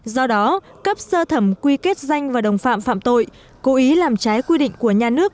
do đó cấp sơ thẩm quy kết danh và đồng phạm phạm tội cố ý làm trái quy định của nhà nước